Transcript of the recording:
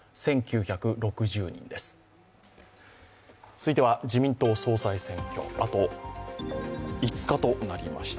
続いては自民党総裁選挙、あと５日となりました。